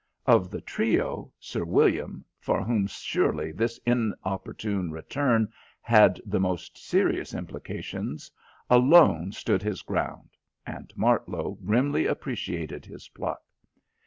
Of the trio, Sir William, for whom surely this inopportune return had the most serious implications, alone stood his ground, and Martlow grimly appreciated his pluck.